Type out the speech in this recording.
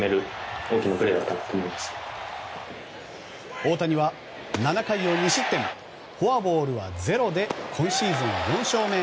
大谷は７回を２失点フォアボールはゼロで今シーズン４勝目。